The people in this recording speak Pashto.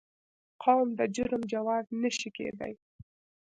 قوم د جرم جواز نه شي کېدای.